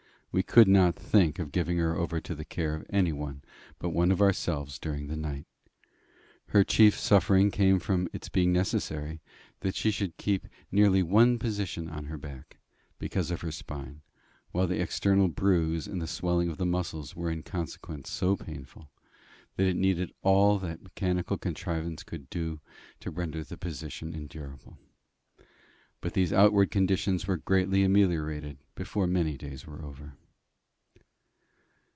We could not think of giving her over to the care of any but one of ourselves during the night. Her chief suffering came from its being necessary that she should keep nearly one position on her back, because of her spine, while the external bruise and the swelling of the muscles were in consequence so painful, that it needed all that mechanical contrivance could do to render the position endurable. But these outward conditions were greatly ameliorated before many days were over.